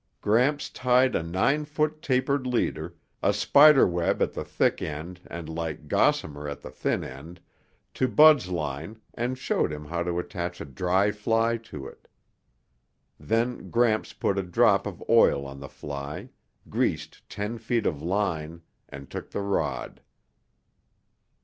Gramps tied a nine foot tapered leader, a spiderweb at the thick end and like gossamer at the thin end, to Bud's line and showed him how to attach a dry fly to it. Then Gramps put a drop of oil on the fly, greased ten feet of line, and took the rod.